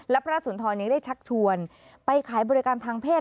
และพระสุนทรยังได้ชักชวนไปขายบริการทางเพศ